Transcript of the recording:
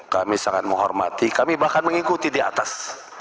kami sangat menghormati kami bahkan mengikuti di atas